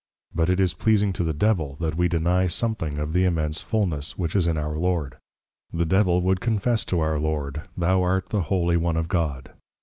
_ But it is pleasing to the Devil that we deny something of the Immense Fullness, which is in our Lord. The Devil would confess to our Lord, _Thou art the Holy One of God!